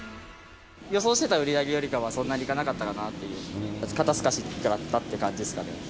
予想してた売り上げよりはそんなにいかなかったかなという、肩透かし食らったって感じですかね。